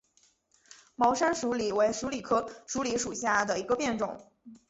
毛山鼠李为鼠李科鼠李属下的一个变种。